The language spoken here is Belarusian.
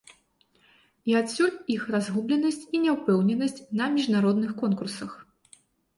І адсюль іх разгубленасць і няўпэўненасць на міжнародных конкурсах.